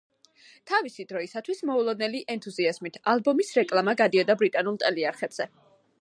თავისი დროისათვის მოულოდნელი ენთუზიაზმით, ალბომის რეკლამა გადიოდა ბრიტანულ ტელეარხებზე.